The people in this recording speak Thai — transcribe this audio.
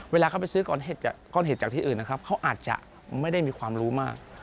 เวลาเขาไปซื้อก้อนเห็ดจากที่อื่นนะครับเขาอาจจะไม่ได้มีความรู้มาก